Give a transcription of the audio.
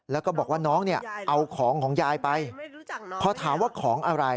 แล้วก็บอกว่าน้องเนี่ยเอาของของยายไปพอถามว่าของอะไร